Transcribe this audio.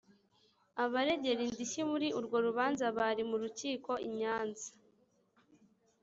Abaregera indishyi muri urwo rubanza bari mu rukiko i Nyanza